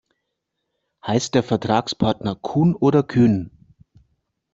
Heißt der Vertragspartner Kuhn oder Kühn?